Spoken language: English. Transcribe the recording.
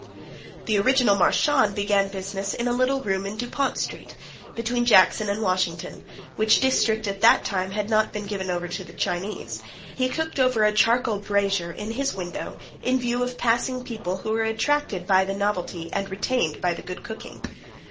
The original Marchand began business in a little room in Dupont street, between Jackson and Washington, which district at that time had not been given over to the Chinese, and he cooked over a charcoal brazier, in his window, in view of passing people who were attracted by the novelty and retained by the good cooking.